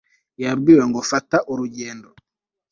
yabwiwe ngo fata urugendo